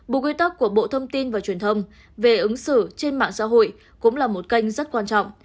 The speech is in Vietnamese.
bộ quy tắc của bộ thông tin và truyền thông về ứng xử trên mạng xã hội cũng là một kênh rất quan trọng